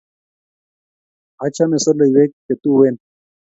Achame soleiwek chetuwen